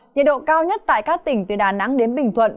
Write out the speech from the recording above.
nhiệt độ cao nhất tại các tỉnh từ đà nẵng đến bình thuận